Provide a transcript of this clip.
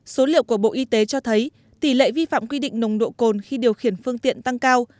số liệu của bộ y tế cho thấy tỷ lệ vi phạm quy định nồng độ cồn khi điều khiển phương tiện tăng cao